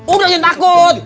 udah jangan takut